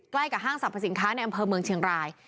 ใกล้กับห้างสรรพสินค้าในอำเภอเมืองเชียงราย